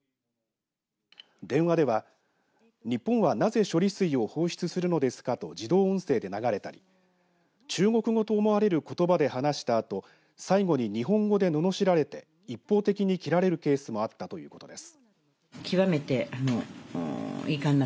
電話では日本はなぜ処理水を放出するのですかと自動音声で流れたり中国語と思われることばで話したあと最後に日本語でののしられて一方的に切られるケースもあったということです。